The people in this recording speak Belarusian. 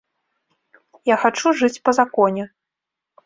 Я хачу жыць па законе.